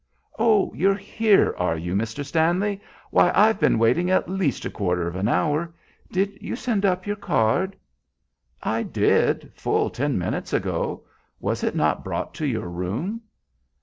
"Oh! You're here, are you, Mr. Stanley! Why, I've been waiting at least a quarter of an hour. Did you send up your card?" "I did; full ten minutes ago. Was it not brought to your room?"